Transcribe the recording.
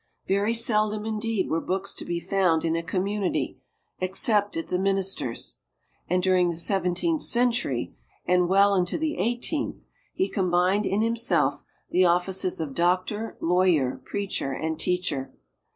Very seldom, indeed, were books to be found in a community except at the minister's. And during the Seventeenth Century, and well into the Eighteenth, he combined in himself the offices of doctor, lawyer, preacher and teacher.